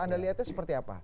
anda lihatnya seperti apa